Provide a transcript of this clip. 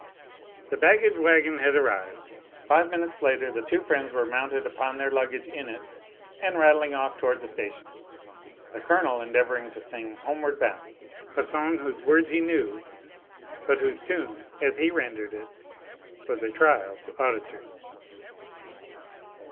The baggage wagon had arrived; five minutes later the two friends were mounted upon their luggage in it, and rattling off toward the station, the Colonel endeavoring to sing "Homeward Bound," a song whose words he knew, but whose tune, as he rendered it, was a trial to auditors.